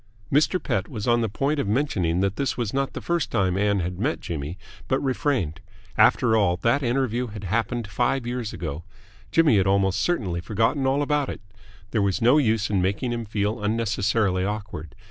Mr. Pett was on the point of mentioning that this was not the first time Ann had met Jimmy, but refrained. After all, that interview had happened five years ago. Jimmy had almost certainly forgotten all about it. There was no use in making him feel unnecessarily awkward.